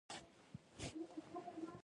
کروندګر د کښت په هر پړاو کې زحمت باسي